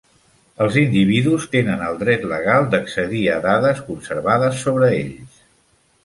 Els individus tenen el dret legal d'accedir a dades conservades sobre ells.